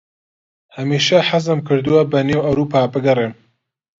هەمیشە حەزم کردووە بەنێو ئەورووپا بگەڕێم.